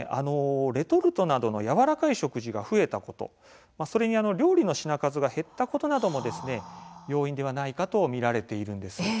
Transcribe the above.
レトルトなどのやわらかい食事が増えたことそれに料理の品数が減ったことも要因ではないかと見られているんです。